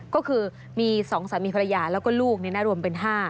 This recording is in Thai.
ก็คือมี๒สามีภรรยาแล้วก็ลูกรวมเป็น๕